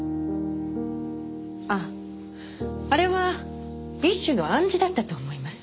あっあれは一種の暗示だったと思います。